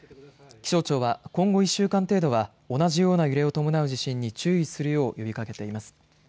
気象庁は今後１週間程度は同じような揺れを伴う地震に注意するよう呼びかけています。